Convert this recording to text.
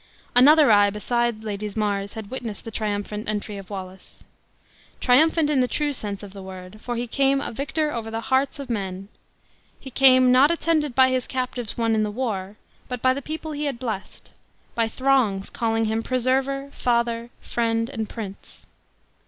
Another eye beside Lady Mar's had witnessed the triumphant entry of Wallace. Triumphant in the true sense of the word; for he came a victor over the hearts of men; he came, not attended by his captives won in the war, but by the people he had blessed, by throngs calling him preserver, father, friend, and prince!